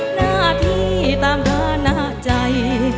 หน้าที่ตามฐานะใจ